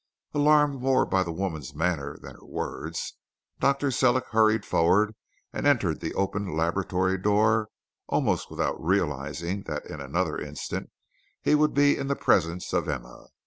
Alarmed more by the woman's manner than her words, Dr. Sellick hurried forward and entered the open laboratory door almost without realizing that in another instant he would be in the presence of Emma.